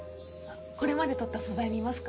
これまで撮った素材見ますか？